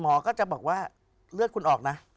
หมอก็จะบอกว่าเลือดคุณออกนะ